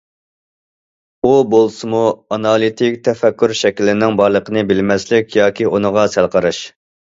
ئۇ بولسىمۇ ئانالىتىك تەپەككۇر شەكلىنىڭ بارلىقىنى بىلمەسلىك ياكى ئۇنىڭغا سەل قاراش.